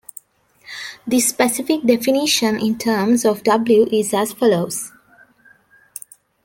The specific definition in terms of "W" is as follows.